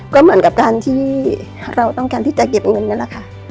ก็เหมือนกับการที่เราต้องการที่จะเก็บเงินนั่นแหละค่ะ